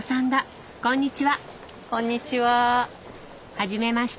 はじめまして。